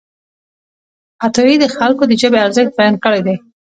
عطايي د خلکو د ژبې ارزښت بیان کړی دی.